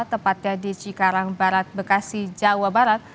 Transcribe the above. tepatnya di cikarang barat bekasi jawa barat